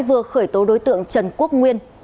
vừa khởi tố đối tượng trần quốc nguyên